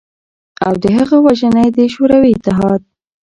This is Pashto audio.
او د هغه وژنه ېې د شوروی اتحاد